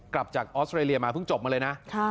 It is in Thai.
กลับจากออสเตรเลียมาเพิ่งจบมาเลยนะ